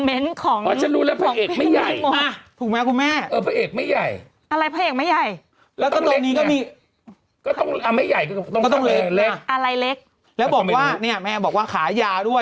เอิ้นท์ณย์เอาจะรู้มากแล้วว่าใครครับ